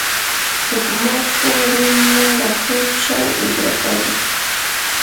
huk marka runa rahuchaw uqrakashqa.